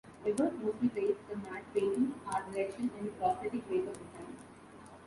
Ebert mostly praised the matte paintings, art direction and prosthetic makeup design.